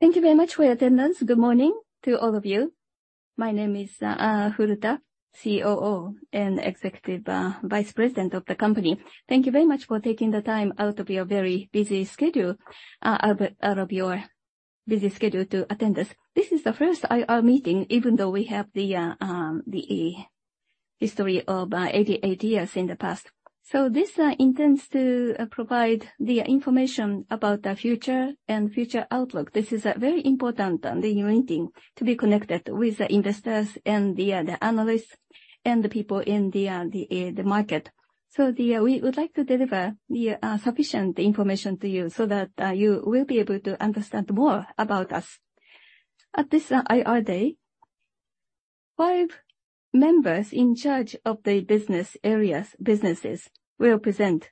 Thank you very much for your attendance. Good morning to all of you. My name is Furuta, COO and Executive Vice President of the company. Thank you very much for taking the time out of your very busy schedule to attend this. This is the first IR meeting, even though we have the history of 88 years in the past. This intends to provide the information about the future and future outlook. This is very important, the meeting, to be connected with the investors and the analysts and the people in the market. We would like to deliver the sufficient information to you so that you will be able to understand more about us. At this IR day, five members in charge of the business areas, businesses, will present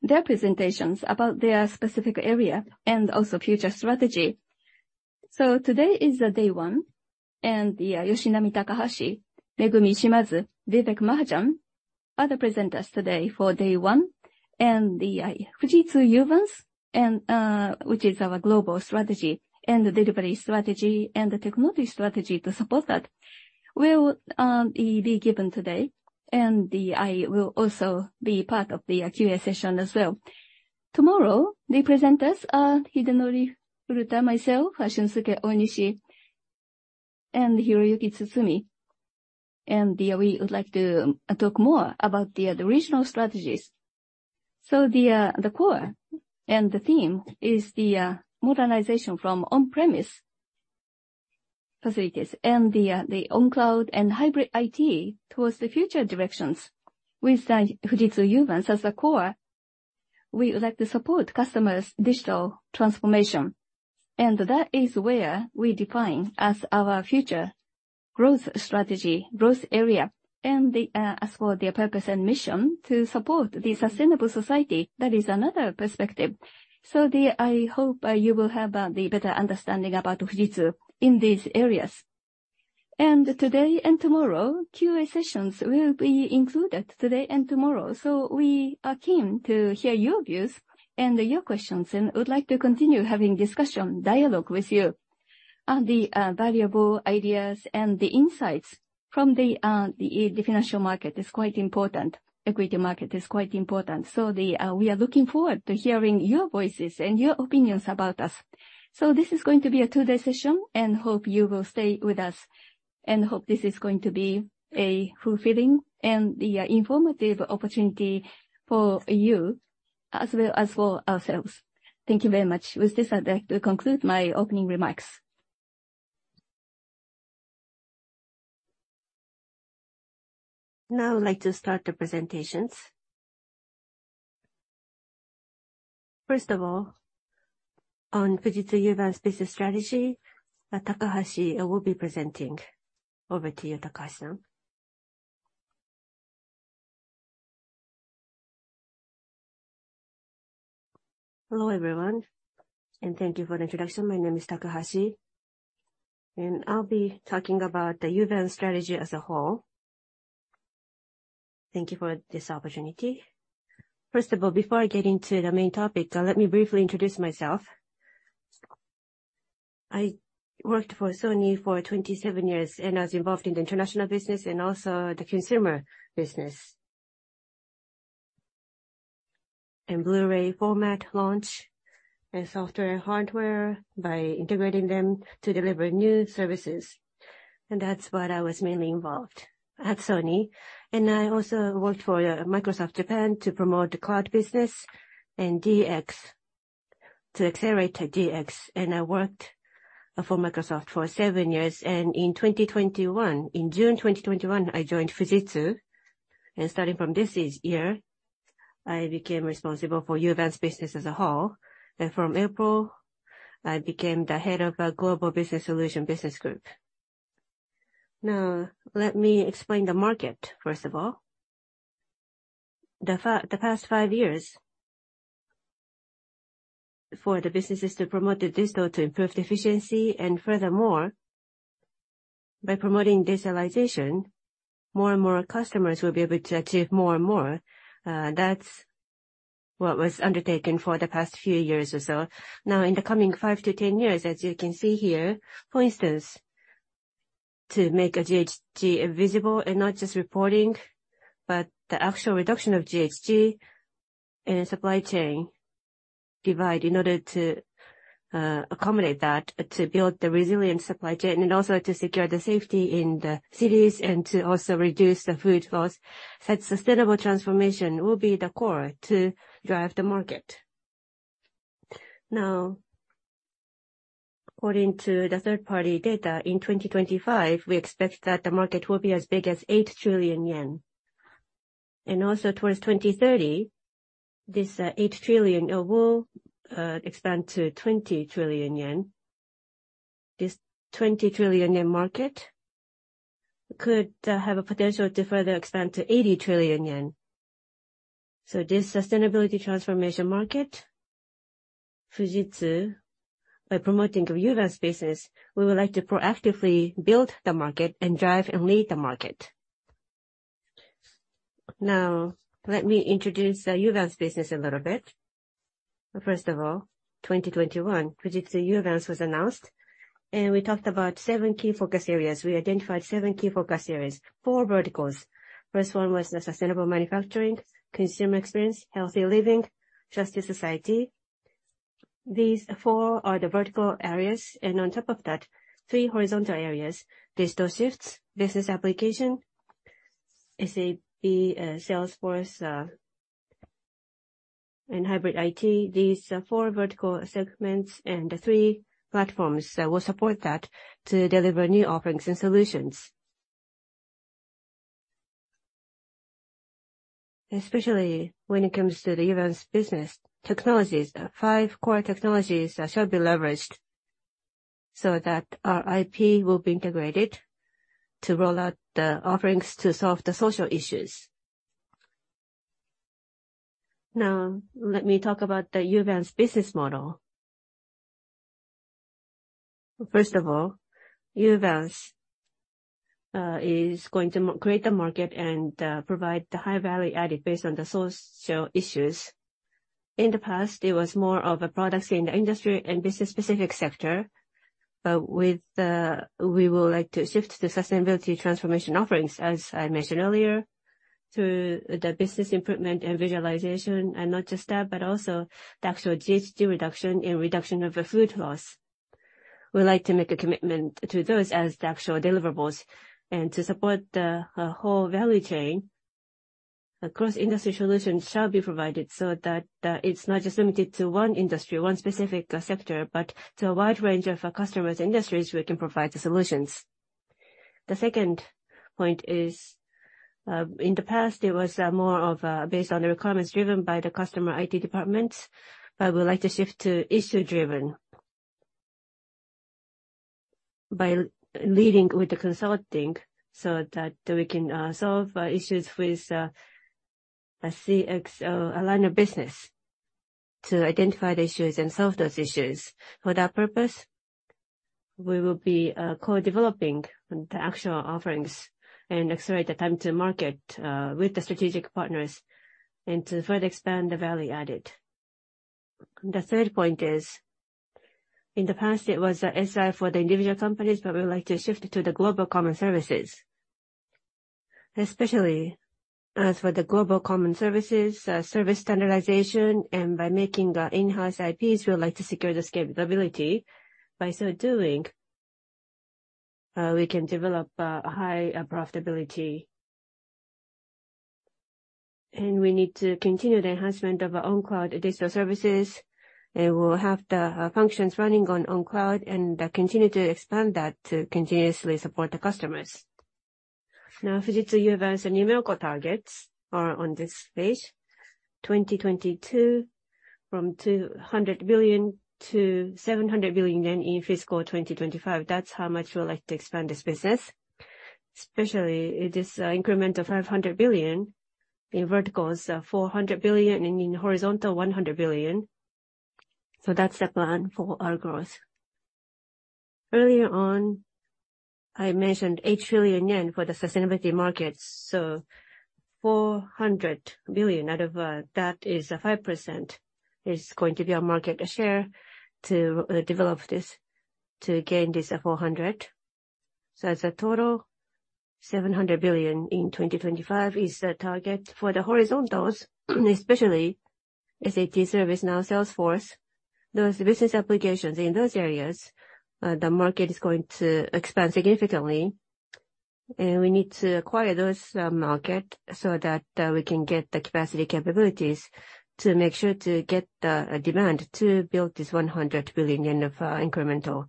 their presentations about their specific area and also future strategy. Today is the day one, and the Yoshinami Takahashi, Megumi Shimazu, Vivek Mahajan are the presenters today for day one. The Fujitsu Uvance and which is our global strategy, and the delivery strategy, and the technology strategy to support that, will be given today. I will also be part of the Q&A session as well. Tomorrow, the presenters are Hidenori Furuta, myself, Shunsuke Onishi, and Hiroyuki Tsutsumi. We would like to talk more about the regional strategies. The core and the theme is the modernization from on-premise facilities and the on-cloud and hybrid IT towards the future directions. With the Fujitsu Uvance as the core, we would like to support customers' digital transformation, and that is where we define as our future growth strategy, growth area, and the as for the purpose and mission, to support the sustainable society, that is another perspective. I hope you will have the better understanding about Fujitsu in these areas. Today and tomorrow, Q&A sessions will be included today and tomorrow. We are keen to hear your views and your questions, and would like to continue having discussion, dialogue with you on the valuable ideas and the insights from the financial market is quite important. Equity market is quite important. We are looking forward to hearing your voices and your opinions about us. This is going to be a two-day session, and hope you will stay with us, and hope this is going to be a fulfilling and informative opportunity for you, as well as for ourselves. Thank you very much. With this, I'd like to conclude my opening remarks. Now I would like to start the presentations. First of all, on Fujitsu Uvance business strategy, Takahashi will be presenting. Over to you, Takahashi-san. Hello, everyone. Thank you for the introduction. My name is Takahashi. I'll be talking about the Uvance strategy as a whole. Thank you for this opportunity. First of all, before I get into the main topic, let me briefly introduce myself. I worked for Sony for 27 years. I was involved in the international business and also the consumer business. Blu-ray format launch and software and hardware by integrating them to deliver new services. That's what I was mainly involved at Sony. I also worked for Microsoft Japan to promote the cloud business and DX, to accelerate the DX. I worked for Microsoft for seven years. In 2021, in June 2021, I joined Fujitsu. Starting from this year, I became responsible for Uvance business as a whole. From April, I became the head of our Global Solution Business Group. Let me explain the market, first of all. The past five years, for the businesses to promote the digital to improve the efficiency, and furthermore, by promoting digitalization, more and more customers will be able to achieve more and more. That's what was undertaken for the past few years or so. In the coming five-10 years, as you can see here, for instance, to make a GHG visible and not just reporting, but the actual reduction of GHG and supply chain divide in order to accommodate that, to build the resilient supply chain, and also to secure the safety in the cities, and to also reduce the food loss. Such sustainable transformation will be the core to drive the market. According to the third-party data, in 2025, we expect that the market will be as big as 8 trillion yen. Towards 2030, this 8 trillion yen will expand to 20 trillion yen. This 20 trillion yen market could have a potential to further expand to 80 trillion yen. This sustainability transformation market, Fujitsu, by promoting Uvance business, we would like to proactively build the market and drive and lead the market. Let me introduce the Uvance business a little bit. First of all, 2021, Fujitsu Uvance was announced, and we talked about seven key focus areas. We identified seven key focus areas. Four verticals. First one was the sustainable manufacturing, consumer experience, healthy living, just society. These four are the vertical areas, on top of that, three horizontal areas: digital shifts, business application, SAP, Salesforce, and hybrid IT. These four vertical segments and the three platforms that will support that to deliver new offerings and solutions. Especially when it comes to the Uvance business technologies, five core technologies shall be leveraged so that our IP will be integrated to roll out the offerings to solve the social issues. Let me talk about the Uvance business model. First of all, Uvance is going to create the market and provide the high value added based on the social issues. In the past, it was more of a products in the industry and business specific sector, but with the... We would like to shift the sustainability transformation offerings, as I mentioned earlier, to the business improvement and visualization, and not just that, but also the actual GHG reduction and reduction of the food loss. We'd like to make a commitment to those as the actual deliverables, and to support the whole value chain, a cross-industry solution shall be provided, so that it's not just limited to one industry, one specific sector, but to a wide range of customers, industries, we can provide the solutions. The second point is in the past, it was more of based on the requirements driven by the customer IT departments, but we would like to shift to issue-driven. By leading with the consulting, so that we can solve issues with a CXO, align our business to identify the issues and solve those issues. For that purpose, we will be co-developing the actual offerings and accelerate the time to market with the strategic partners, and to further expand the value added. The third point is, in the past, it was SI for the individual companies, but we would like to shift it to the global common services. Especially as for the global common services, service standardization, and by making in-house IPs, we would like to secure the scalability. By so doing, we can develop high profitability. We need to continue the enhancement of our own cloud digital services, and we'll have the functions running on own cloud, and continue to expand that to continuously support the customers. Fujitsu Uvance numerical targets are on this page. 2022, from 200 billion to 700 billion yen in fiscal 2025. That's how much we would like to expand this business. Especially this increment of 500 billion in verticals, 400 billion, and in horizontal, 100 billion. That's the plan for our growth. Earlier on, I mentioned 8 trillion yen for the sustainability markets, so 400 billion out of that is a 5%, is going to be our market share to develop this, to gain this 400 billion. As a total, 700 billion in 2025 is the target. For the horizontals, especially SAP, ServiceNow, Salesforce, those business applications in those areas, the market is going to expand significantly, and we need to acquire those market so that we can get the capacity capabilities to make sure to get the demand to build this 100 billion yen of incremental.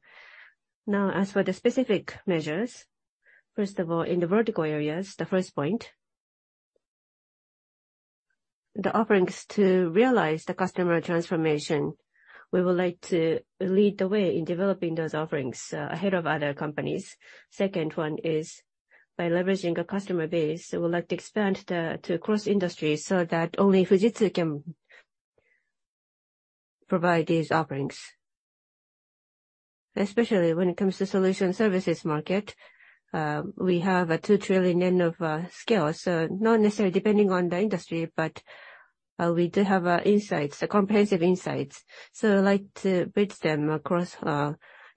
As for the specific measures, first of all, in the vertical areas, the first point, the offerings to realize the customer transformation, we would like to lead the way in developing those offerings ahead of other companies. Second one is by leveraging a customer base, we would like to expand to cross industries so that only Fujitsu can provide these offerings. Especially when it comes to solution services market, we have a 2 trillion yen scale, so not necessarily depending on the industry, but we do have insights, comprehensive insights, so like to bridge them across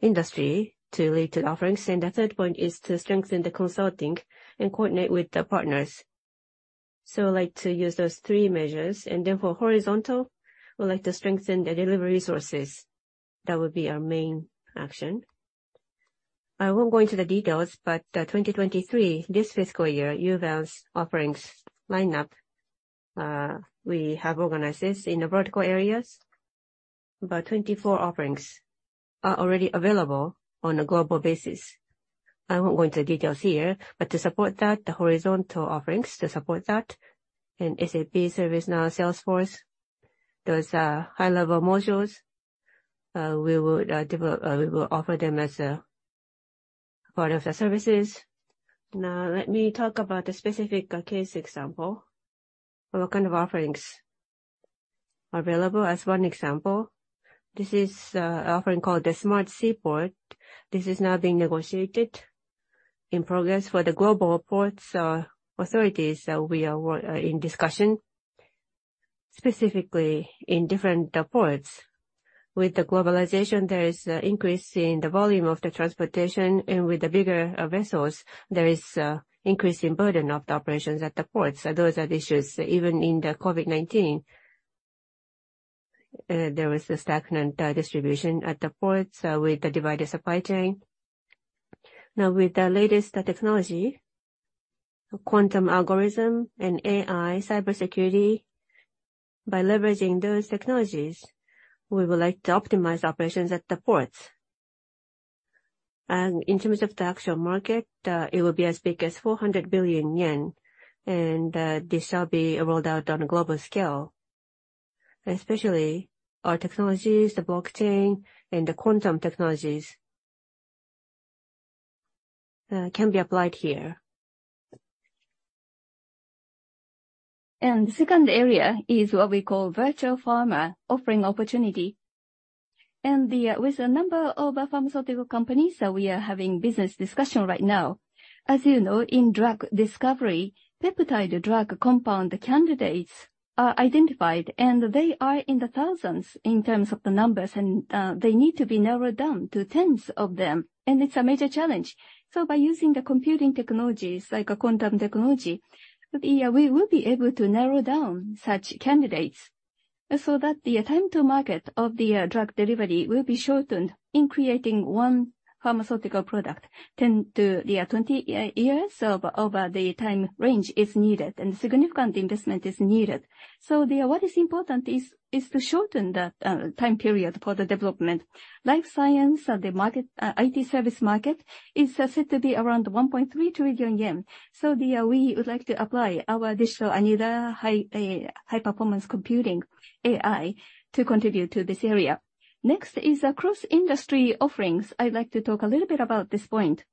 industry to lead to offerings. The third point is to strengthen the consulting and coordinate with the partners. I'd like to use those three measures. For horizontal, we'd like to strengthen the delivery resources. That would be our main action. I won't go into the details, but 2023, this fiscal year, Uvance offerings lineup, we have organized this in the vertical areas, about 24 offerings are already available on a global basis. I won't go into the details here, but to support that, the horizontal offerings to support that, in SAP ServiceNow Salesforce, those are high-level modules, we will offer them as a part of the services. Let me talk about the specific case example, what kind of offerings? available as one example. This is often called the Smart Seaport. This is now being negotiated, in progress for the global ports authorities, so we are in discussion. Specifically, in different ports. With the globalization, there is an increase in the volume of the transportation, and with the bigger vessels, there is increase in burden of the operations at the ports. Those are the issues, even in the COVID-19, there was a stagnant distribution at the ports, with the divided supply chain. Now, with the latest technology, quantum algorithm and AI cybersecurity, by leveraging those technologies, we would like to optimize operations at the ports. In terms of the actual market, it will be as big as 400 billion yen, and this shall be rolled out on a global scale. Especially our technologies, the blockchain and the quantum technologies can be applied here. The second area is what we call Virtual Pharma, offering opportunity. With a number of pharmaceutical companies, we are having business discussion right now. As you know, in drug discovery, peptide drug compound candidates are identified, and they are in the thousands in terms of the numbers, they need to be narrowed down to tens of them, and it's a major challenge. By using the computing technologies, like a quantum technology, we will be able to narrow down such candidates, so that the time to market of the drug delivery will be shortened. In creating one pharmaceutical product, 10-20 years of, over the time range is needed, and significant investment is needed. What is important is to shorten the time period for the development. Life science and the IT service market is said to be around 1.3 trillion yen. We would like to apply our Digital Annealer high-performance computing AI to contribute to this area. Next is cross-industry offerings. I'd like to talk a little bit about this point.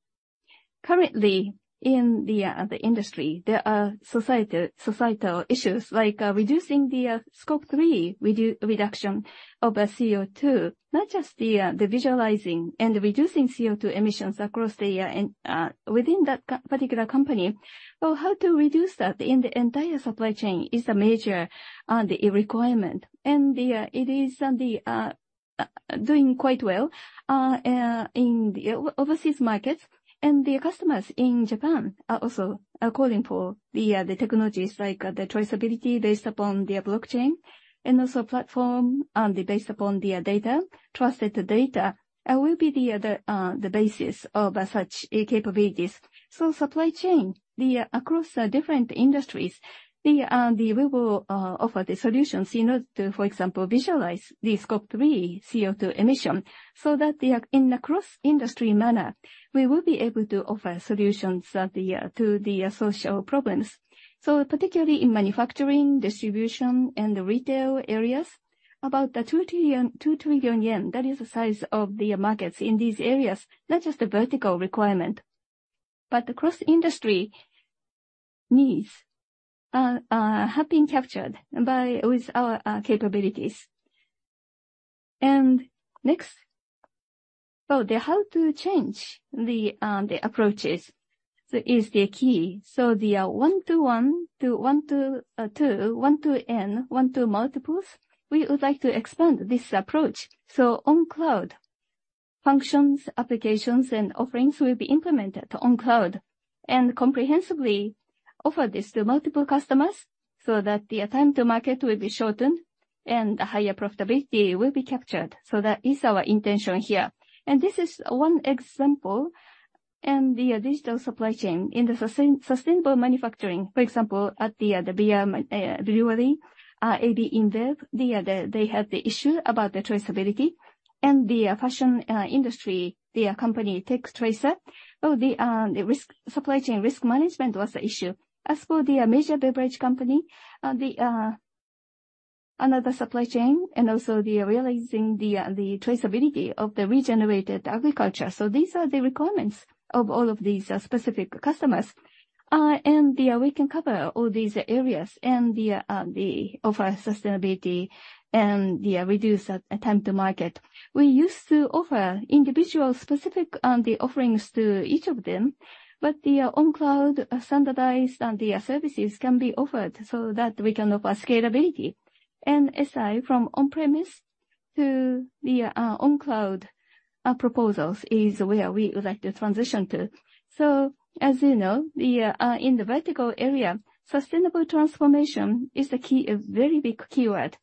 Currently, in the industry, there are societal issues like reducing the Scope 3 reduction of CO2. Not just visualizing and reducing CO2 emissions across and within that particular company, but how to reduce that in the entire supply chain is a major requirement. The, it is, the, doing quite well, in the overseas markets, and the customers in Japan are also calling for the technologies like the traceability based upon their blockchain, and also platform, based upon their data, trusted data, will be the, the basis of such capabilities. Supply chain, the, across the different industries, the, we will offer the solutions in order to, for example, visualize the Scope 3 CO2 emission, so that the, in a cross-industry manner, we will be able to offer solutions, the, to the, social problems. Particularly in manufacturing, distribution, and the retail areas, about the 2 trillion yen, that is the size of the markets in these areas, not just the vertical requirement. The cross-industry needs have been captured by, with our capabilities. Next, the how to change the approaches is the key. The one-to-one to one-to- two, one-to-N, one-to-multiples, we would like to expand this approach. On cloud, functions, applications, and offerings will be implemented on cloud, and comprehensively offer this to multiple customers so that the time to market will be shortened and a higher profitability will be captured. That is our intention here. This is one example, and the digital supply chain in the sustainable manufacturing, for example, at the beer brewery AB InBev, they had the issue about the traceability and the fashion industry, the company Tex.tracer. The risk, supply chain risk management was the issue. As for the major beverage company, the another supply chain, and also the realizing the traceability of the regenerated agriculture. These are the requirements of all of these specific customers. We can cover all these areas and offer sustainability and reduce time to market. We used to offer individual specific offerings to each of them, but the on-cloud, standardized, and the services can be offered so that we can offer scalability. SI, from on-premise to the on-cloud proposals, is where we would like to transition to. As you know, in the vertical area, sustainable transformation is the key, a very big keyword.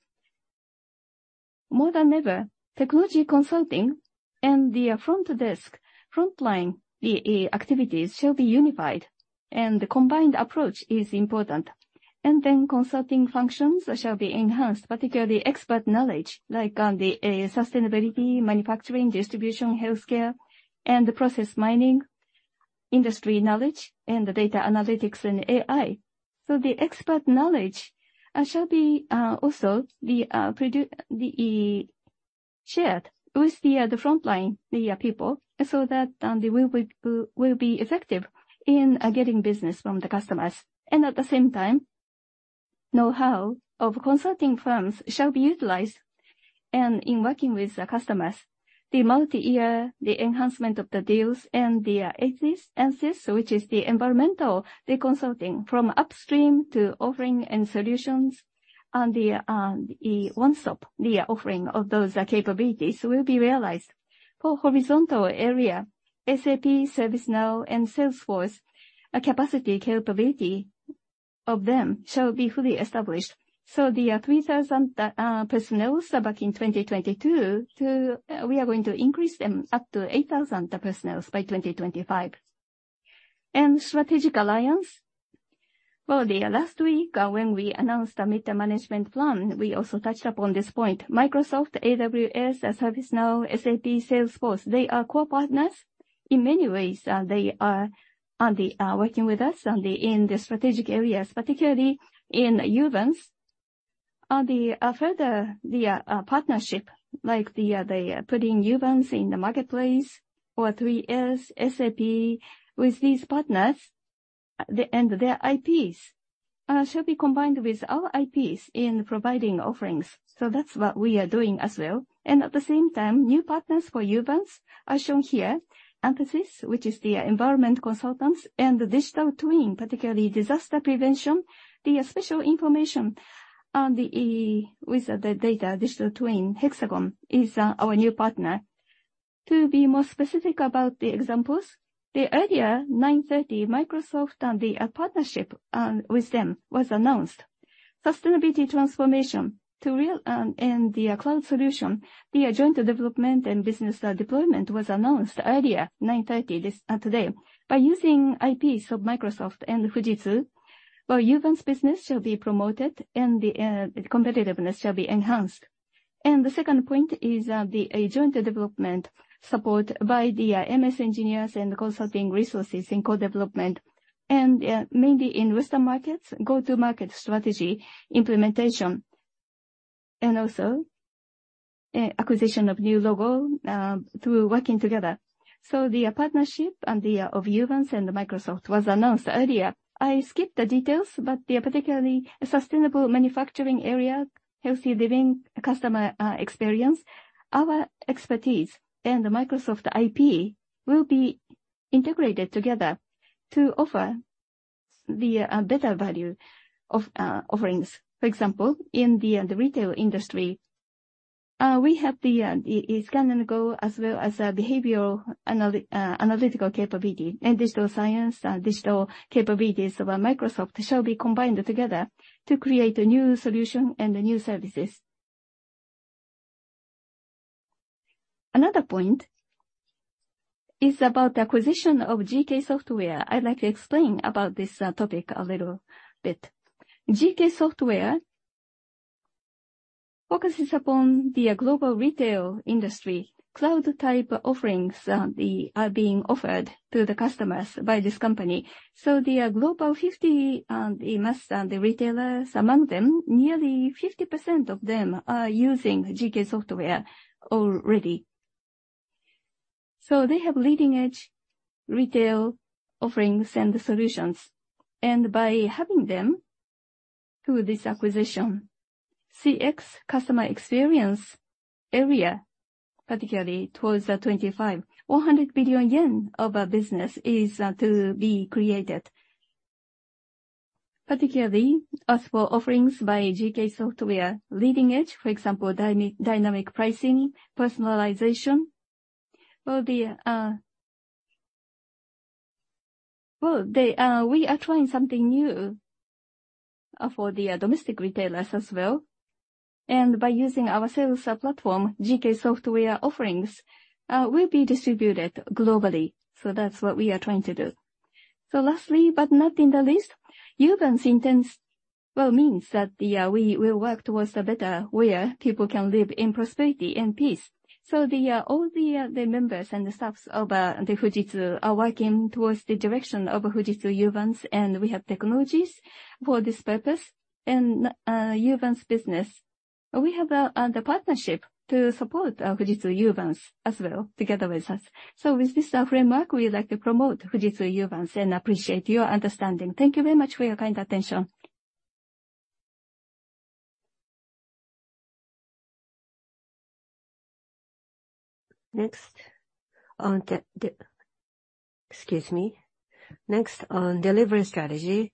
More than ever, technology consulting and the front desk, frontline activities shall be unified, and the combined approach is important. Consulting functions shall be enhanced, particularly expert knowledge, like on the sustainability, manufacturing, distribution, healthcare, and the process mining, industry knowledge, and the data analytics and AI. The expert knowledge shall be also shared with the frontline people, so that they will be effective in getting business from the customers. At the same time, know-how of consulting firms shall be utilized, and in working with the customers, the multi-year enhancement of the deals and the ESIS, NCIS, which is the environmental consulting from upstream to offering and solutions on the one-stop offering of those capabilities will be realized. For horizontal area, SAP, ServiceNow, and Salesforce, a capacity capability of them shall be fully established. The 3,000 personnel back in 2022, we are going to increase them up to 8,000 personnel by 2025. Strategic alliance, well, last week, when we announced the mid-term management plan, we also touched upon this point. Microsoft, AWS, ServiceNow, SAP, Salesforce, they are core partners. In many ways, they are working with us in the strategic areas, particularly in Uvance. Further, the partnership, like the putting Uvance in the marketplace or 3S, SAP with these partners, and their IPs, shall be combined with our IPs in providing offerings. That's what we are doing as well. At the same time, new partners for Uvance are shown here. Emphasis, which is the environment consultants and the digital twin, particularly disaster prevention. The special information on the data digital twin, Hexagon, is our new partner. To be more specific about the examples, the earlier 9:30 A.M., Microsoft and the partnership with them was announced. Sustainability transformation to real and the cloud solution, the joint development and business deployment was announced earlier, 9:30 A.M. this today. By using IPs of Microsoft and Fujitsu, Uvance business shall be promoted and the competitiveness shall be enhanced. The second point is the a joint development support by the MS engineers and the consulting resources in co-development, mainly in Western markets, go-to-market strategy implementation, acquisition of new logo through working together. The partnership of Uvance and Microsoft was announced earlier. I skipped the details, but the particularly sustainable manufacturing area, healthy living, customer experience, our expertise and the Microsoft IP will be integrated together to offer the better value of offerings. For example, in the retail industry, we have the scan and go, as well as a behavioral analytical capability and digital science and digital capabilities of Microsoft shall be combined together to create a new solution and new services. Another point is about the acquisition of GK Software. I'd like to explain about this topic a little bit. GK Software focuses upon the global retail industry. Cloud-type offerings are being offered to the customers by this company. The global 50 retailers among them, nearly 50% of them are using GK Software already. They have leading-edge retail offerings and solutions, and by having them through this acquisition, CX, customer experience area, particularly towards the 25 billion-100 billion yen of a business is to be created. Particularly, as for offerings by GK Software, leading-edge, for example, dynamic pricing, personalization. Well, they, we are trying something new for the domestic retailers as well, and by using our sales platform, GK Software offerings will be distributed globally. That's what we are trying to do. Lastly, but not in the least, Uvance intends, well, means that we will work towards the better, where people can live in prosperity and peace. All the members and the staffs of Fujitsu are working towards the direction of Fujitsu Uvance, and we have technologies for this purpose. Uvance business, we have the partnership to support our Fujitsu Uvance as well, together with us. With this framework, we would like to promote Fujitsu Uvance and appreciate your understanding. Thank you very much for your kind attention. Excuse me. Next, on delivery strategy,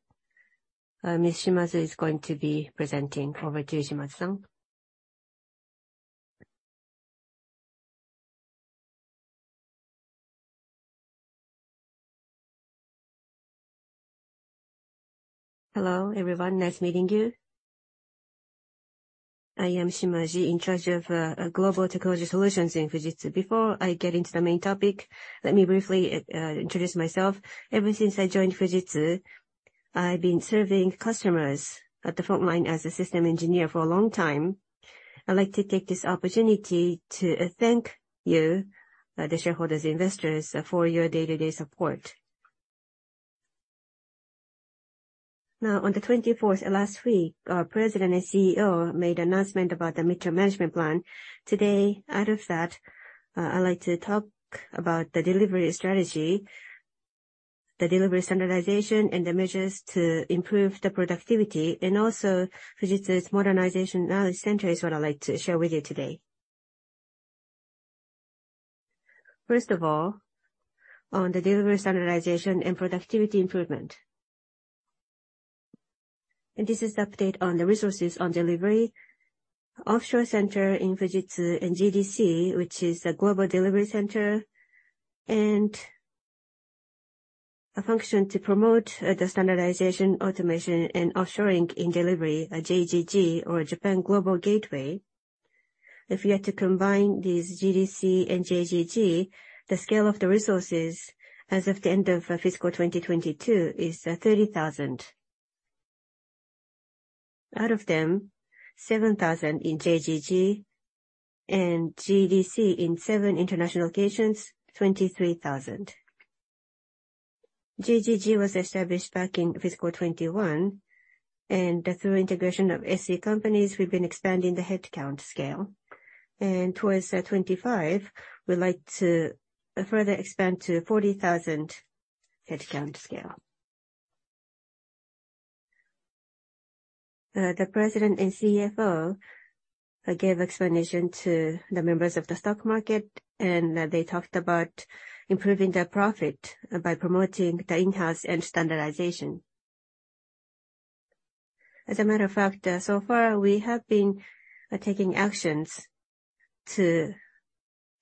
Ms. Shimazu is going to be presenting. Over to you, Shimazu-san. Hello, everyone. Nice meeting you. I am Shimazu, in charge of global technology solutions in Fujitsu. Before I get into the main topic, let me briefly introduce myself. Ever since I joined Fujitsu, I've been serving customers at the frontline as a system engineer for a long time. I'd like to take this opportunity to thank you, the shareholders, investors, for your day-to-day support.... On the 24th, last week, our President and CEO made announcement about the mid-term management plan. Today, out of that, I'd like to talk about the delivery strategy, the delivery standardization, and the measures to improve the productivity, and also Fujitsu's Modernization Knowledge Center is what I'd like to share with you today. First of all, on the delivery standardization and productivity improvement. This is the update on the resources on delivery. Offshore center in Fujitsu and GDC, which is the Global Delivery Center, a function to promote the standardization, automation, and offshoring in delivery, a JGG or Japan Global Gateway. If we are to combine these GDC and JGG, the scale of the resources as of the end of fiscal 2022 is 30,000. Out of them, 7,000 in JGG and GDC in seven international locations, 23,000. JGG was established back in fiscal 2021. Through integration of SC companies, we've been expanding the headcount scale. Towards 2025, we'd like to further expand to 40,000 headcount scale. The President and CFO gave explanation to the members of the stock market. They talked about improving the profit by promoting the in-house and standardization. As a matter of fact, so far, we have been taking actions to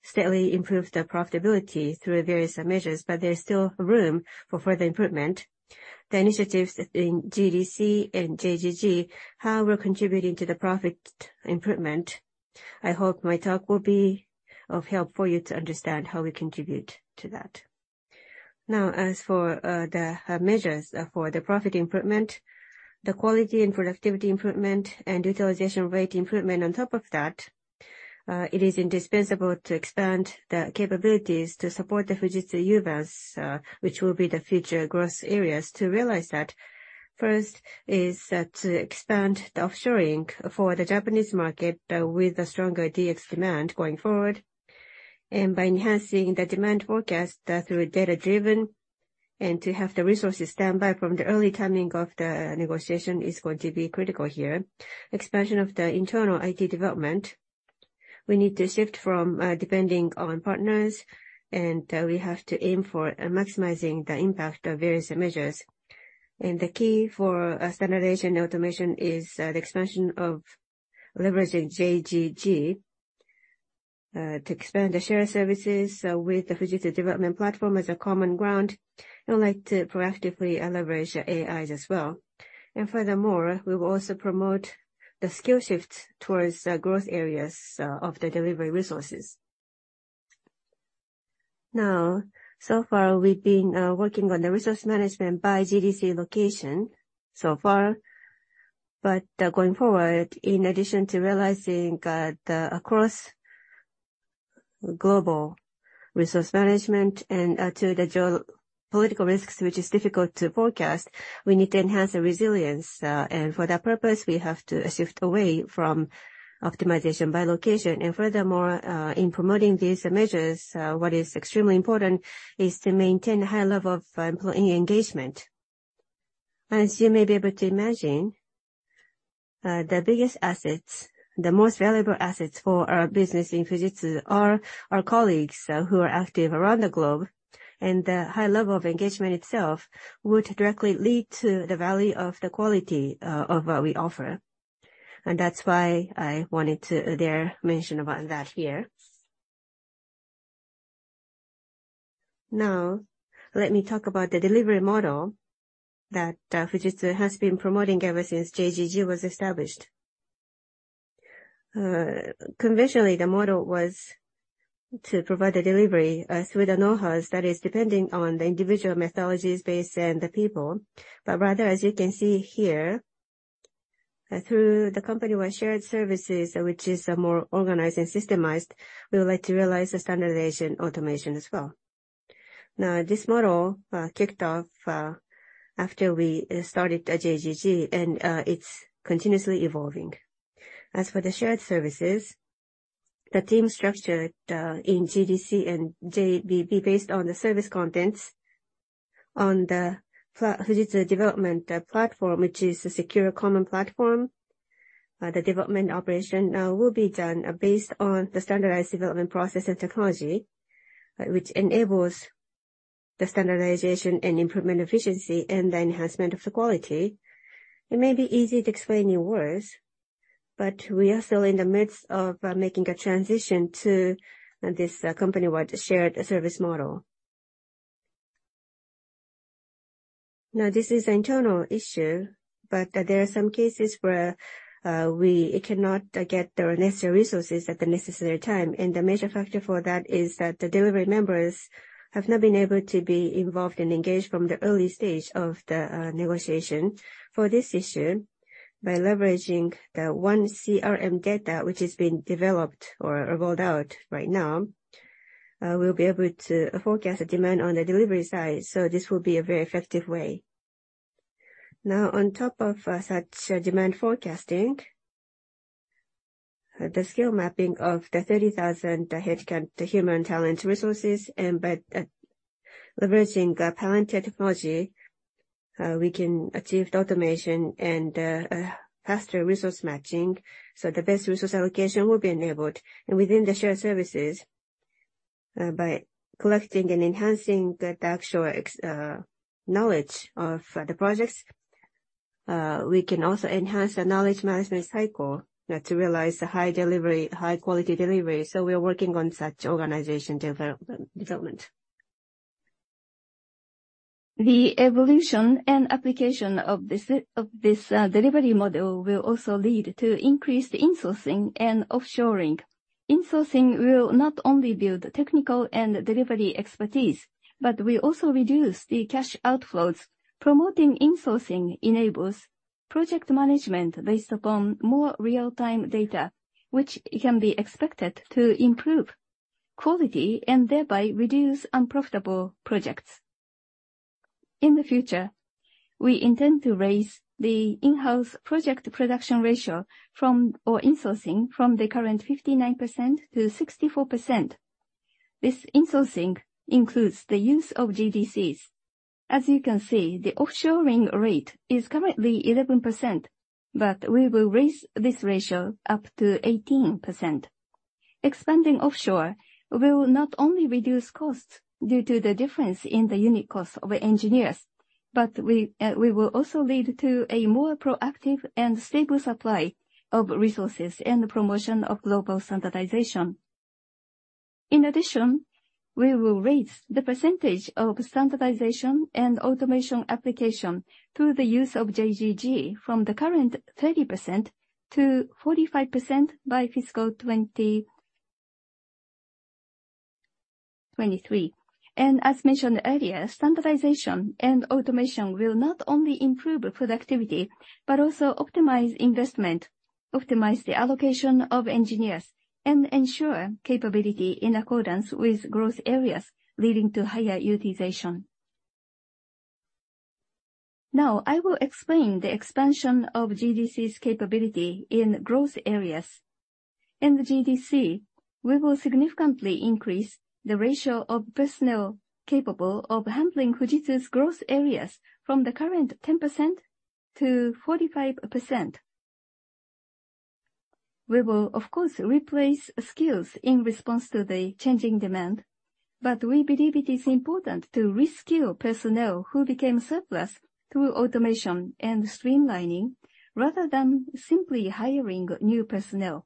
steadily improve the profitability through various measures, but there's still room for further improvement. The initiatives in GDC and JGG, how we're contributing to the profit improvement, I hope my talk will be of help for you to understand how we contribute to that. Now, as for the measures for the profit improvement, the quality and productivity improvement, and utilization rate improvement on top of that, it is indispensable to expand the capabilities to support the Fujitsu Uvance, which will be the future growth areas. To realize that, first is to expand the offshoring for the Japanese market, with a stronger DX demand going forward, and by enhancing the demand forecast, through data-driven, and to have the resources stand by from the early timing of the negotiation is going to be critical here. Expansion of the internal IT development, we need to shift from depending on partners, and we have to aim for maximizing the impact of various measures. The key for standardization and automation is the expansion of leveraging JGG, to expand the shared services, with the Fujitsu development platform as a common ground. We would like to proactively leverage AIs as well. Furthermore, we will also promote the skill shift towards the growth areas of the delivery resources. Now, so far, we've been working on the resource management by GDC location, so far. Going forward, in addition to realizing the across global resource management and to the geo-political risks, which is difficult to forecast, we need to enhance the resilience, and for that purpose, we have to shift away from optimization by location. Furthermore, in promoting these measures, what is extremely important is to maintain a high level of employee engagement. As you may be able to imagine, the biggest assets, the most valuable assets for our business in Fujitsu are our colleagues, who are active around the globe, and the high level of engagement itself would directly lead to the value of the quality of what we offer. That's why I wanted to dare mention about that here. Let me talk about the delivery model that Fujitsu has been promoting ever since JGG was established. Conventionally, the model was to provide the delivery through the know-hows that is depending on the individual methodologies based and the people. Rather, as you can see here, through the company-wide shared services, which is more organized and systemized, we would like to realize the standardization automation as well. This model kicked off after we started the JGG, and it's continuously evolving. As for the shared services, the team structure, in GDC and JGG based on the service contents on the Fujitsu development platform, which is a secure common platform, the development operation will be done based on the standardized development process and technology, which enables the standardization and improvement efficiency and the enhancement of the quality. It may be easy to explain in words, but we are still in the midst of making a transition to this company-wide shared service model. This is an internal issue, but there are some cases where we cannot get the necessary resources at the necessary time, and the major factor for that is that the delivery members have not been able to be involved and engaged from the early stage of the negotiation. For this issue, by leveraging the one CRM data which is being developed or rolled out right now, we'll be able to forecast the demand on the delivery side, so this will be a very effective way. Now, on top of such demand forecasting. the skill mapping of the 30,000 headcount, the human talent resources, and by leveraging the talent technology, we can achieve the automation and faster resource matching, so the best resource allocation will be enabled. Within the shared services, by collecting and enhancing the actual knowledge of the projects, we can also enhance the knowledge management cycle to realize the high delivery, high quality delivery. So we are working on such organization development. The evolution and application of this, of this delivery model will also lead to increased insourcing and offshoring. Insourcing will not only build technical and delivery expertise, but will also reduce the cash outflows. Promoting insourcing enables project management based upon more real-time data, which can be expected to improve quality and thereby reduce unprofitable projects. In the future, we intend to raise the in-house project production ratio from, or insourcing, from the current 59% to 64%. This insourcing includes the use of GDCs. As you can see, the offshoring rate is currently 11%, but we will raise this ratio up to 18%. Expanding offshore will not only reduce costs due to the difference in the unit cost of engineers, but we will also lead to a more proactive and stable supply of resources and promotion of global standardization. In addition, we will raise the percentage of standardization and automation application through the use of JGG from the current 30% to 45% by fiscal 2023. As mentioned earlier, standardization and automation will not only improve productivity, but also optimize investment, optimize the allocation of engineers, and ensure capability in accordance with growth areas, leading to higher utilization. I will explain the expansion of GDC's capability in growth areas. In the GDC, we will significantly increase the ratio of personnel capable of handling Fujitsu's growth areas from the current 10% to 45%. We will, of course, replace skills in response to the changing demand, but we believe it is important to reskill personnel who became surplus through automation and streamlining, rather than simply hiring new personnel.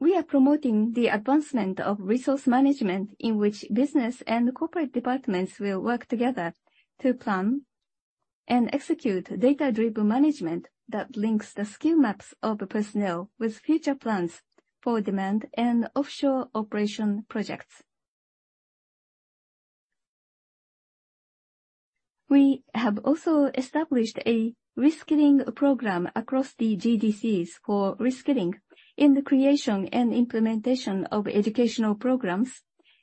We are promoting the advancement of resource management, in which business and corporate departments will work together to plan and execute data-driven management that links the skill maps of personnel with future plans for demand and offshore operation projects. We have also established a reskilling program across the GDCs for reskilling. In the creation and implementation of educational programs,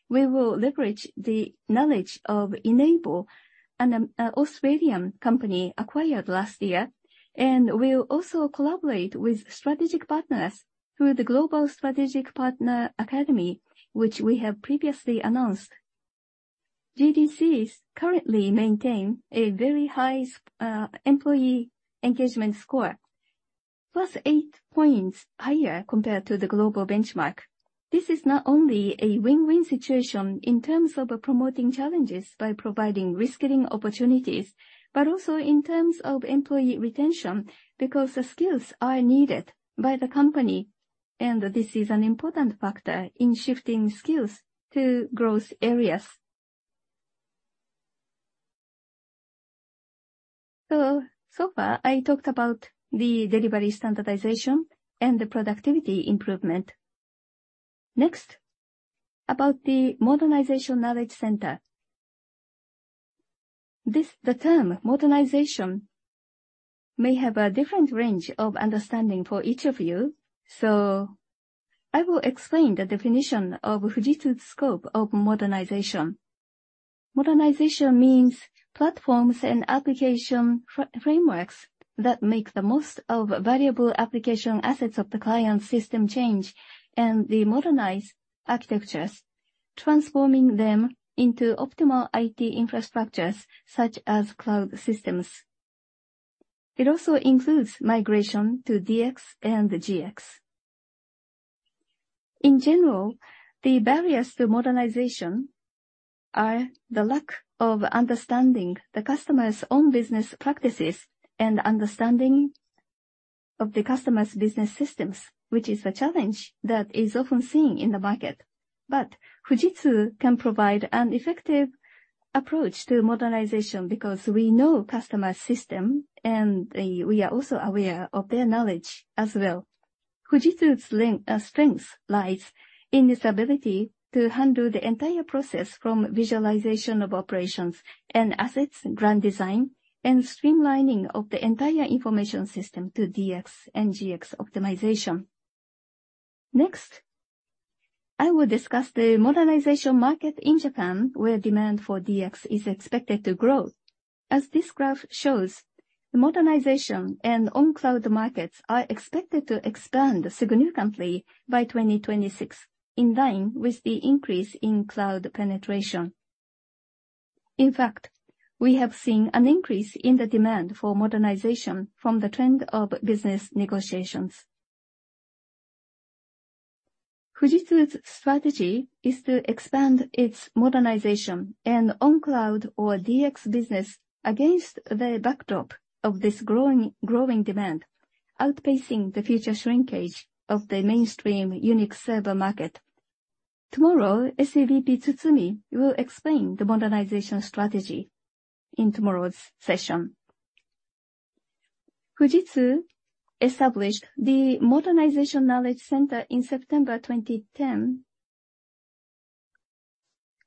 we will leverage the knowledge of Enable, an Australian company acquired last year, and we'll also collaborate with strategic partners through the Global Strategic Partner Academy, which we have previously announced. GDCs currently maintain a very high employee engagement score, +8 points higher compared to the global benchmark. This is not only a win-win situation in terms of promoting challenges by providing reskilling opportunities, but also in terms of employee retention, because the skills are needed by the company, and this is an important factor in shifting skills to growth areas. So far, I talked about the delivery standardization and the productivity improvement. Next, about the Modernization Knowledge Center. The term modernization may have a different range of understanding for each of you. I will explain the definition of Fujitsu's scope of modernization. Modernization means platforms and application frameworks that make the most of valuable application assets of the client's system change and the modernized architectures, transforming them into optimal IT infrastructures, such as cloud systems. It also includes migration to DX and GX. In general, the barriers to modernization are the lack of understanding the customer's own business practices and understanding of the customer's business systems, which is a challenge that is often seen in the market. Fujitsu can provide an effective approach to modernization because we know customer system, and we are also aware of their knowledge as well. Fujitsu's strength lies in its ability to handle the entire process from visualization of operations and assets, grand design, and streamlining of the entire information system to DX and GX optimization. Next, I will discuss the modernization market in Japan, where demand for DX is expected to grow. As this graph shows, the modernization and on-cloud markets are expected to expand significantly by 2026, in line with the increase in cloud penetration. In fact, we have seen an increase in the demand for modernization from the trend of business negotiations. Fujitsu's strategy is to expand its modernization and on-cloud or DX business against the backdrop of this growing demand, outpacing the future shrinkage of the mainstream Unix server market. Tomorrow, SVP Tsutsumi will explain the modernization strategy in tomorrow's session. Fujitsu established the Modernization Knowledge Center in September 2010,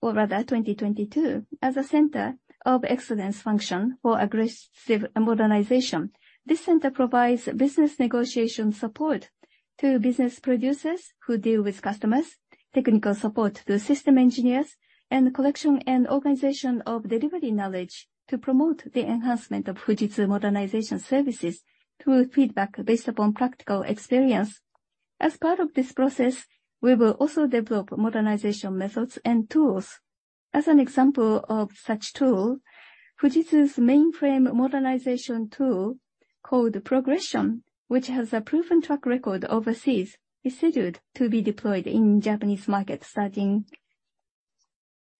or rather 2022, as a center of excellence function for aggressive modernization. This center provides business negotiation support to business producers who deal with customers, technical support to system engineers, and collection and organization of delivery knowledge to promote the enhancement of Fujitsu modernization services through feedback based upon practical experience. As part of this process, we will also develop modernization methods and tools. As an example of such tool, Fujitsu's mainframe modernization tool, called PROGRESSION, which has a proven track record overseas, is scheduled to be deployed in Japanese market starting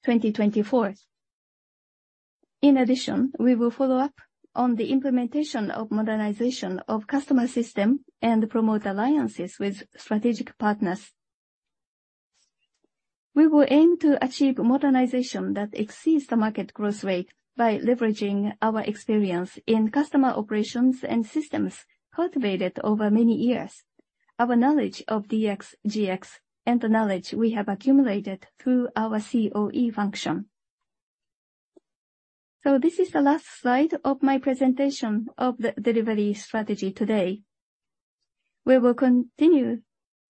2024. We will follow up on the implementation of modernization of customer system and promote alliances with strategic partners. We will aim to achieve modernization that exceeds the market growth rate by leveraging our experience in customer operations and systems cultivated over many years, our knowledge of DX, GX, and the knowledge we have accumulated through our COE function. This is the last slide of my presentation of the delivery strategy today. We will continue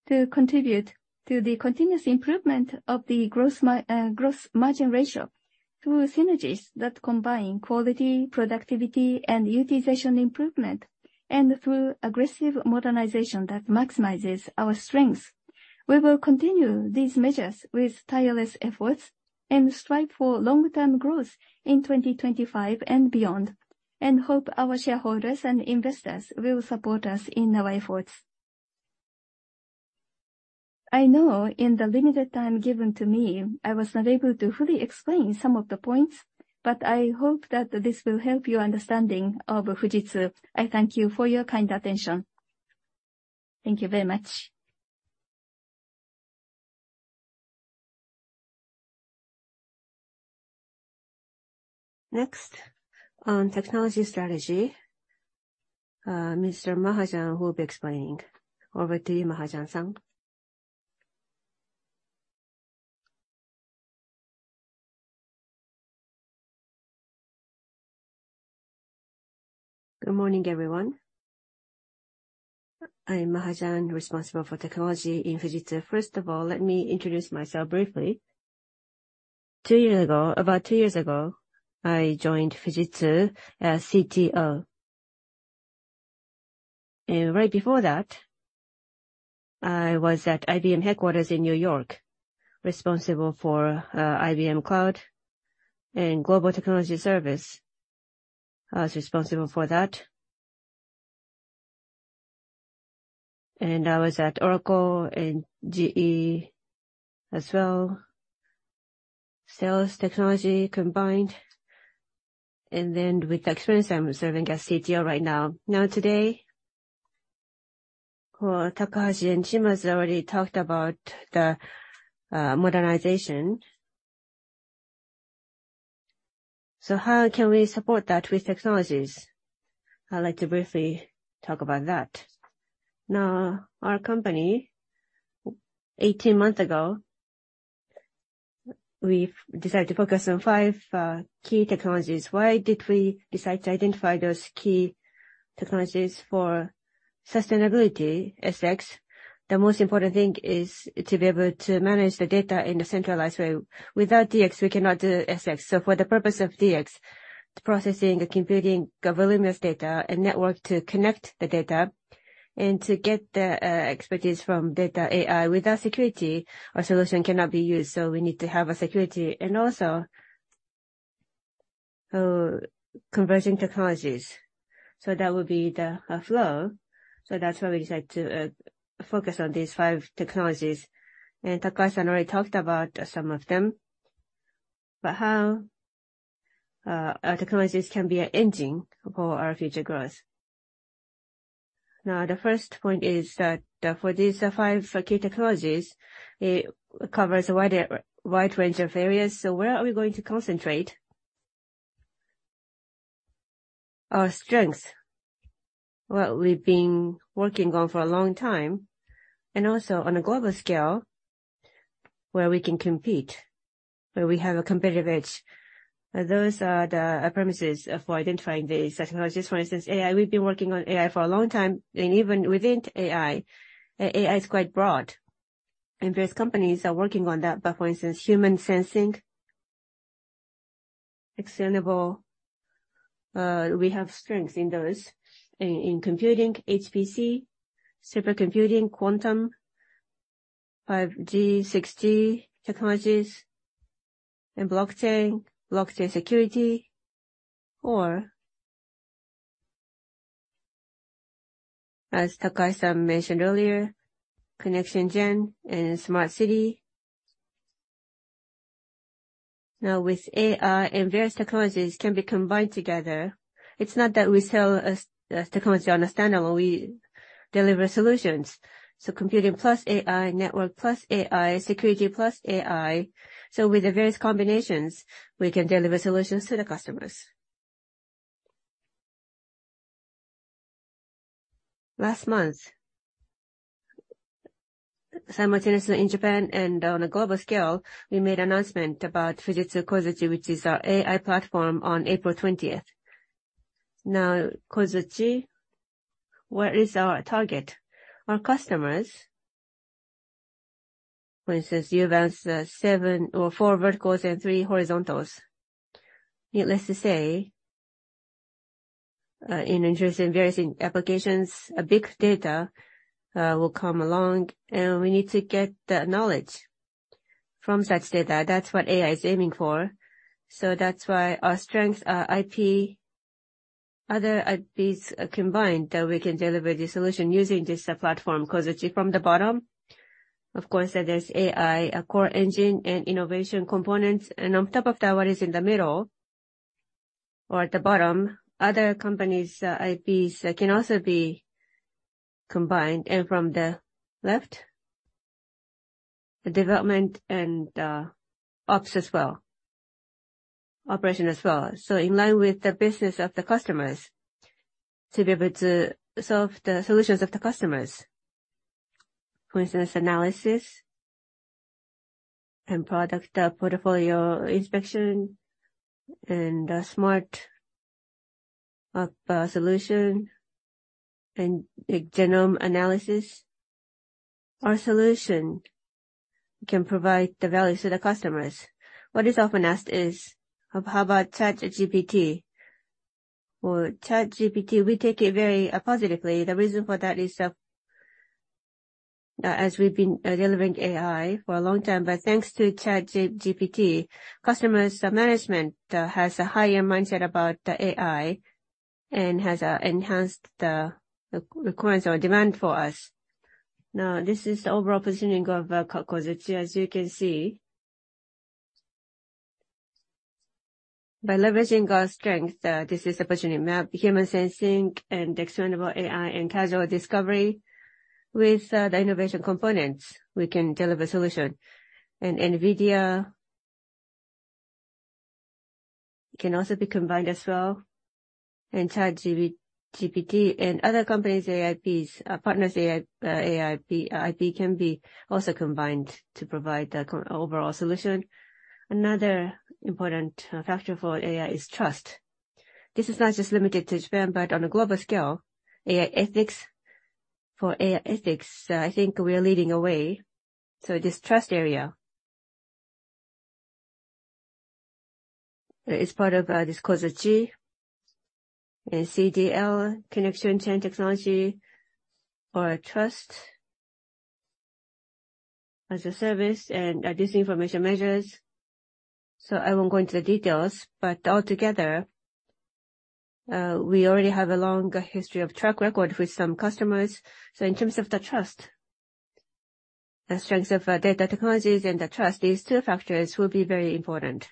to contribute to the continuous improvement of the growth margin ratio through synergies that combine quality, productivity, and utilization improvement, and through aggressive modernization that maximizes our strengths. We will continue these measures with tireless efforts and strive for long-term growth in 2025 and beyond, and hope our shareholders and investors will support us in our efforts. I know in the limited time given to me, I was not able to fully explain some of the points, but I hope that this will help your understanding of Fujitsu. I thank you for your kind attention. Thank you very much. Next, on technology strategy, Mr. Mahajan will be explaining. Over to you, Mahajan-san. Good morning, everyone. I'm Mahajan, responsible for technology in Fujitsu. First of all, let me introduce myself briefly. Two years ago, about two years ago, I joined Fujitsu as CTO. Right before that, I was at IBM headquarters in New York, responsible for IBM Cloud and Global Technology Service. I was responsible for that. I was at Oracle and GE as well, sales, technology, combined. With the experience, I'm serving as CTO right now. Today, well, Takahashi and Shimazu has already talked about the modernization. How can we support that with technologies? I'd like to briefly talk about that. Our company, 18 months ago, we've decided to focus on five key technologies. Why did we decide to identify those key technologies? For sustainability, SX, the most important thing is to be able to manage the data in a centralized way. Without DX, we cannot do SX. For the purpose of DX, processing and computing voluminous data and network to connect the data, and to get the expertise from data AI. Without security, our solution cannot be used, so we need to have a security. Converging Technologies. That would be the flow. That's why we decided to focus on these five technologies. Takahashi already talked about some of them, but how our technologies can be an engine for our future growth? The first point is that for these five key technologies, it covers a wider, wide range of areas, so where are we going to concentrate? Our strengths, what we've been working on for a long time, and also on a global scale, where we can compete, where we have a competitive edge. Those are the premises for identifying the technologies. For instance, AI, we've been working on AI for a long time, and even within AI is quite broad, and various companies are working on that. For instance, human sensing, extendable, we have strengths in those. In computing, HPC, supercomputing, quantum, 5G, 6G technologies, and blockchain security, or as Takahashi-san mentioned earlier, Connection gen and smart city. With AI and various technologies can be combined together, it's not that we sell a technology on a stand-alone, we deliver solutions. Computing + AI, network + AI, security +AI. With the various combinations, we can deliver solutions to the customers. Last month, simultaneously in Japan and on a global scale, we made announcement about Fujitsu Kozuchi, which is our AI platform, on April 20th. Kozuchi, what is our target? Our customers, for instance, you've asked, seven or four verticals and three horizontals. Needless to say, in interest in various applications, a big data will come along, and we need to get the knowledge from such data. That's what AI is aiming for. That's why our strengths, our IP, other IPs are combined, that we can deliver the solution using this platform, Kozuchi, from the bottom. Of course, there's AI, a core engine, and innovation components, and on top of that, what is in the middle or at the bottom, other companies' IPs can also be combined. From the left, the development and ops as well, operation as well. In line with the business of the customers, to be able to solve the solutions of the customers. For instance, analysis and product portfolio inspection, and smart solution, and genome analysis. Our solution can provide the value to the customers. What is often asked is, "How about ChatGPT?" ChatGPT, we take it very positively. The reason for that is, as we've been delivering AI for a long time, but thanks to ChatGPT, customers' management has a higher mindset about the AI and has enhanced the requirements or demand for us. This is the overall positioning of Kozuchi. As you can see, by leveraging our strength, this is the positioning map, human sensing and extendable AI and causal discovery. With the innovation components, we can deliver solution. NVIDIA can also be combined as well, and ChatGPT and other companies' AIPs, partners AI, AIP, IP, can be also combined to provide the overall solution. Another important factor for AI is trust. This is not just limited to Japan, but on a global scale, AI ethics. For AI ethics, I think we are leading away. This trust area is part of this Kozuchi and CDL, ConnectionChain technology or Trust as a Service and this information measures. I won't go into the details, but altogether, we already have a long history of track record with some customers. In terms of the Trust, the strength of data technologies and the Trust, these two factors will be very important.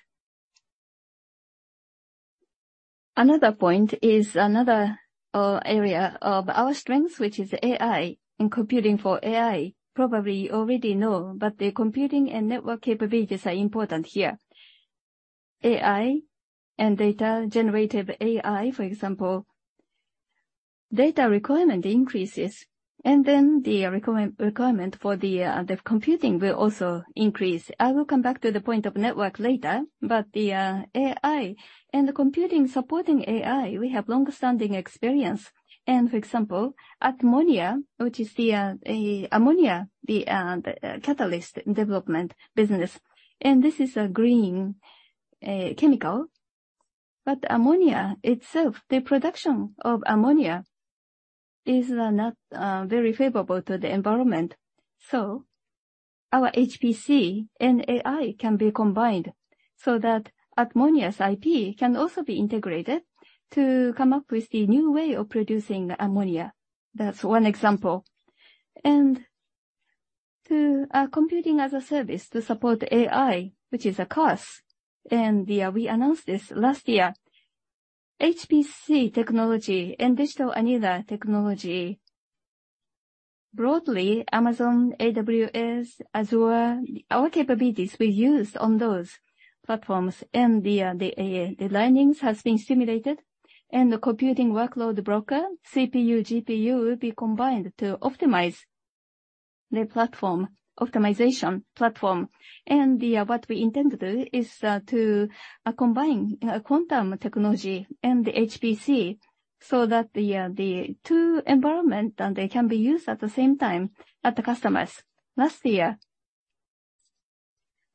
Another point is another area of our strength, which is AI and computing for AI. Probably you already know, the computing and network capabilities are important here. AI and data, generative AI, for example, data requirement increases, the requirement for the computing will also increase. I will come back to the point of network later, the AI and the computing supporting AI, we have long-standing experience. For example, at Atmonia, which is the ammonia catalyst development business, this is a green chemical. Ammonia itself, the production of ammonia is not very favorable to the environment. Our HPC and AI can be combined so that Atmonia's IP can also be integrated to come up with the new way of producing ammonia. That's one example. To Computing as a Service to support AI, which is a CaaS. We announced this last year, HPC technology and Digital Annealer technology. Broadly, Amazon, AWS, Azure, our capabilities were used on those platforms, and the learnings has been stimulated, and the computing workload broker, CPU, GPU, will be combined to optimize.... the platform, optimization platform. What we intend to do is to combine quantum technology and HPC, so that the two environment, and they can be used at the same time at the customers. Last year,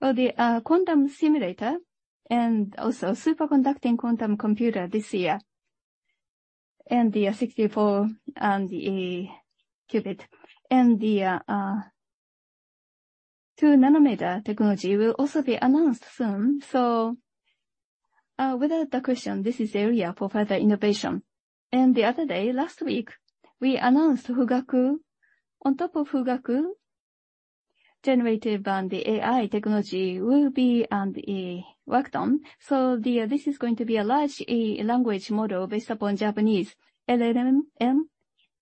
well, the quantum simulator and also superconducting quantum computer this year, and the 64 and the qubit, and the two nanometer technology will also be announced soon. Without the question, this is the area for further innovation. The other day, last week, we announced Fugaku. On top of Fugaku, generative AI technology will be worked on. This is going to be a large language model based upon Japanese. LLM,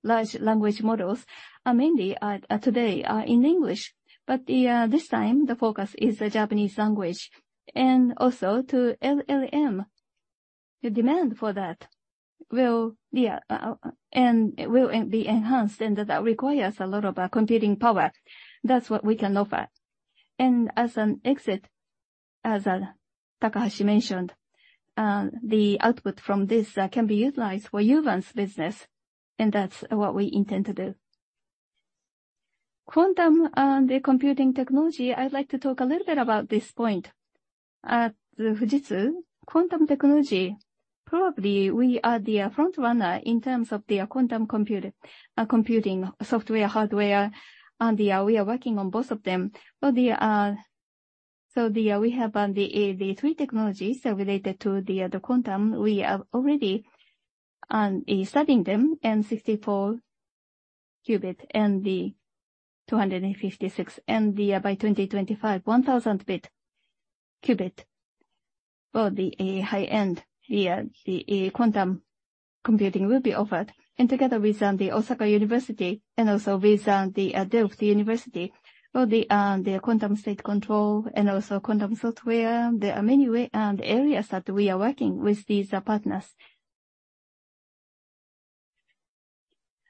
large language models, are mainly today are in English, but this time, the focus is the Japanese language. Also to LLM, the demand for that will be enhanced, and that requires a lot of computing power. That's what we can offer. As an exit, as Takahashi mentioned, the output from this can be utilized for Uvance business, and that's what we intend to do. Quantum and the computing technology, I'd like to talk a little bit about this point. At Fujitsu, quantum technology, probably we are the frontrunner in terms of the quantum computing software, hardware, we are working on both of them. We have on the three technologies related to the quantum. We are already studying them, 64 qubit, 256, by 2025, 1,000 bit qubit. For the high end, the quantum computing will be offered, and together with the Osaka University and also with the Delft University, well, the quantum state control and also quantum software, there are many way areas that we are working with these partners.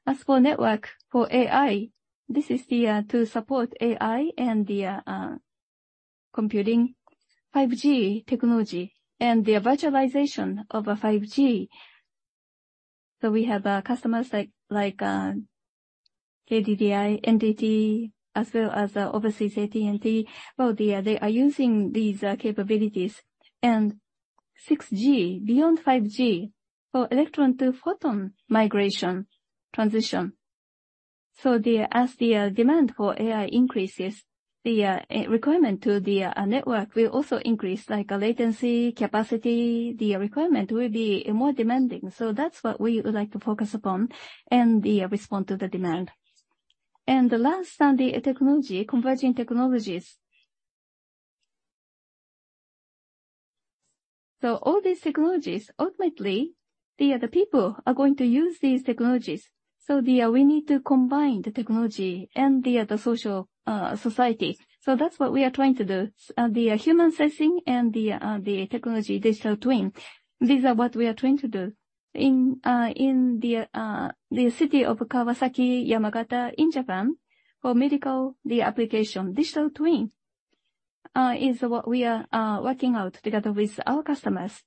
As for network, for AI, this is to support AI and computing 5G technology and the virtualization of a 5G. We have customers like KDDI, NTT, as well as overseas AT&T. Well, they are using these capabilities. 6G, beyond 5G, for electron to photon migration transition. As the demand for AI increases, the requirement to the network will also increase, like latency, capacity, the requirement will be more demanding. That's what we would like to focus upon and respond to the demand. The last one, the technology, Converging Technologies. All these technologies, ultimately, the people are going to use these technologies. We need to combine the technology and the social society. That's what we are trying to do, the human sensing and the technology digital twin. These are what we are trying to do. In the city of Kawasaki, Yamagata, in Japan, for medical, the application digital twin is what we are working out together with our customers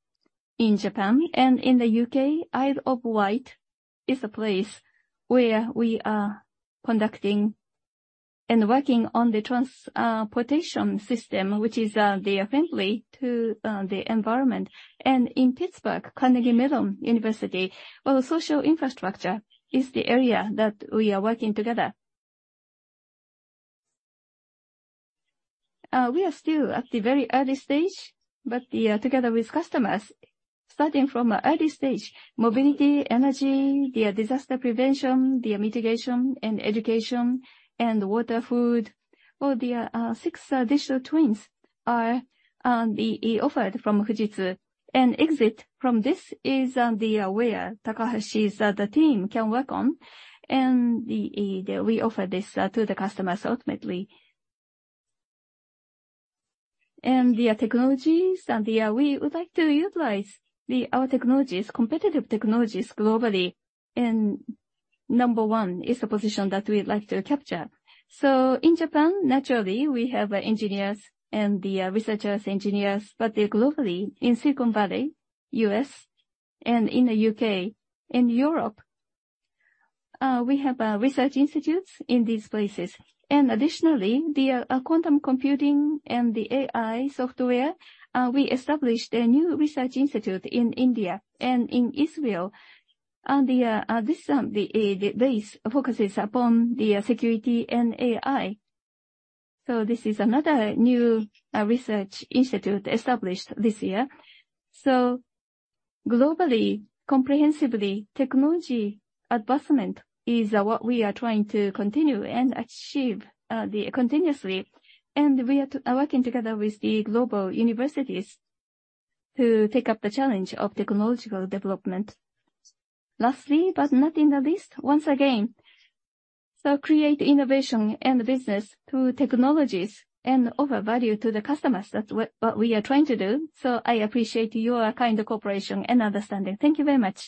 in Japan and in the U.K. Isle of Wight is a place where we are conducting and working on the transportation system, which is very friendly to the environment. In Pittsburgh, Carnegie Mellon University, well, the social infrastructure is the area that we are working together. We are still at the very early stage, but together with customers, starting from an early stage, mobility, energy, the disaster prevention, the mitigation and education, and water, food, well, the six digital twins are offered from Fujitsu. Exit from this is the where Takahashi's the team can work on, and the we offer this to the customers ultimately. The technologies and the we would like to utilize the our technologies, competitive technologies, globally, and number one is the position that we'd like to capture. In Japan, naturally, we have engineers and researchers, engineers, but globally, in Silicon Valley, U.S., and in the U.K. and Europe, we have research institutes in these places. Additionally, the quantum computing and the AI software, we established a new research institute in India and in Israel, and this focuses upon the security and AI. This is another new research institute established this year. Globally, comprehensively, technology advancement is what we are trying to continue and achieve continuously. We are working together with the global universities to take up the challenge of technological development. Lastly, but not in the least, once again, create innovation and business through technologies and offer value to the customers. That's what we are trying to do. I appreciate your kind cooperation and understanding. Thank you very much.